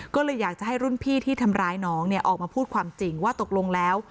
ก็เลยอยากจะให้รุ่นพี่ที่ทำร้ายน้องเนี่ยออกมาพูดความจริงว่าตกลงแล้ว